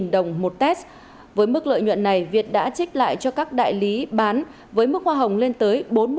đồng một test với mức lợi nhuận này việt đã trích lại cho các đại lý bán với mức hoa hồng lên tới bốn mươi